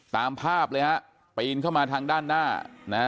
ตามภาพเลยฮะปีนเข้ามาทางด้านหน้านะฮะ